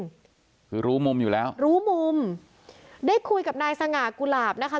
คือรู้มุมอยู่แล้วรู้มุมได้คุยกับนายสง่ากุหลาบนะคะ